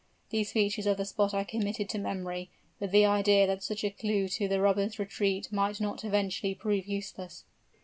These features of the spot I committed to memory, with the idea that such a clew to the robbers' retreat might not eventually prove useless.